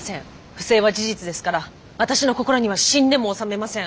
不正は事実ですから私の心には死んでも納めません。